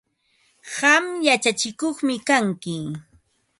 Qam yachatsikuqmi kanki.